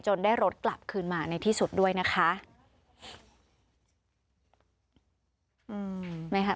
ได้รถกลับคืนมาในที่สุดด้วยนะคะ